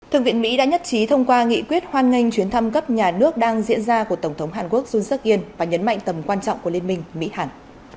thượng viện mỹ đã nhất trí thông qua nghị quyết hoan nghênh chuyến thăm cấp nhà nước đang diễn ra của tổng thống hàn quốc jun seok in và nhấn mạnh tầm quan trọng của liên minh mỹ hàn